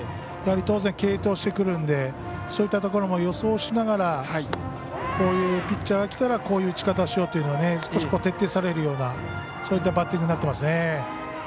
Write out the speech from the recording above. やはり当然、継投してくるんでそういったところも予想しながらこういうピッチャーがきたらこういう打ち方をしようと少し徹底されるようなそういったバッティングになってますね。